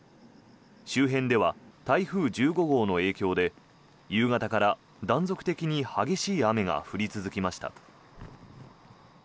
周辺では台風１５号の影響で夕方から断続的に激しい雨が降り続きました。